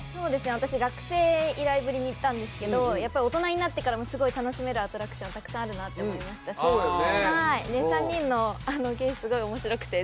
私、学生以来ぶりに行ったんですけどやっぱり大人になってからもすごく楽しめるアトラクションたくさんあるなと思いましたし、３人の芸すごい面白くて。